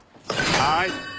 はい。